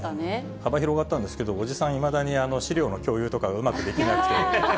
幅広がったんですけど、おじさん、いまだに資料の共有とかうまくできなくて。